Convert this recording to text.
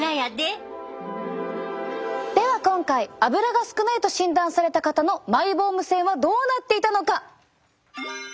では今回アブラが少ないと診断された方のマイボーム腺はどうなっていたのか。